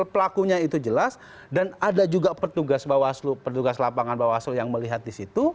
pelakunya itu jelas dan ada juga petugas bawaslu petugas lapangan bawaslu yang melihat di situ